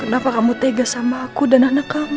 kenapa kamu tega sama aku dan anak kamu